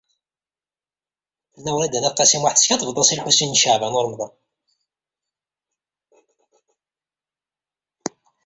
Tenna Wrida n At Qasi Muḥ, tesskaddeb-as i Lḥusin n Caɛban u Ṛemḍan.